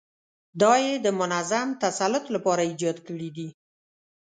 دا یې د منظم تسلط لپاره ایجاد کړي دي.